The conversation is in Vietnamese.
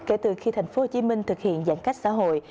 kể từ khi tp hcm thực hiện giãn cách xã hội